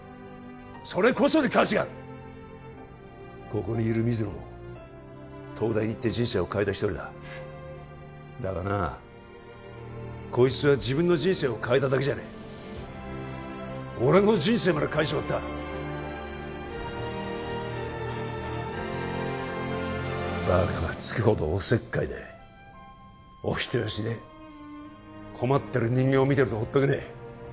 それこそに価値があるここにいる水野も東大に行って人生を変えた一人だだがなこいつは自分の人生を変えただけじゃねえ俺の人生まで変えちまったバカがつくほどおせっかいでお人よしで困ってる人間を見てるとほっとけねえ